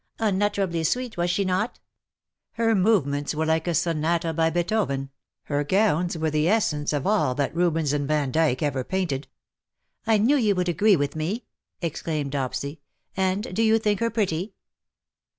" Unutterably sweet, was she not ?" "Her movements were like a sonata by Beethoven — her gowns were the essence of all that Rubens and Vandyck ever painted." '^ I knew you would agree with me," exclaimed Dopsy. " And do you think her pretty